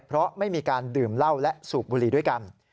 เพราะไม่มีการดื่มเหล้าและสูบบุรีด้วยกัน